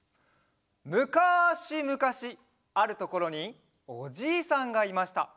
「むかしむかしあるところにおじいさんがいました。